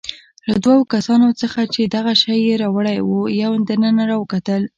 له دوو کسانو څخه چې دغه شی يې راوړی وو، یو دننه راوکتل.